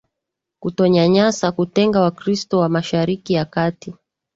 kutonyanyasa kutenga wakristo wa mashariki ya kati